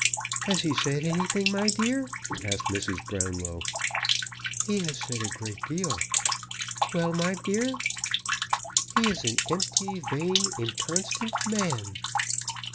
"Has he said anything, my dear?" asked Mrs. Brownlow. "He has said a great deal." "Well, my dear?" "He is an empty, vain, inconstant man."